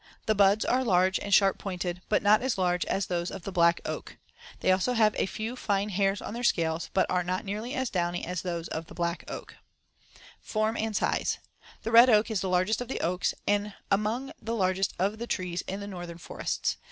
The buds are large and sharp pointed, but not as large as those of the black oak. They also have a few fine hairs on their scales, but are not nearly as downy as those of the Black oak. [Illustration: FIG. 61 Bark of Red Oak.] Form and size: The red oak is the largest of the oaks and among the largest of the trees in the northern forests.